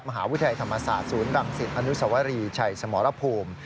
วิทยาลธรรมศาสตร์ศูนย์รังสิตอนุสวรีชัยสมรภูมิ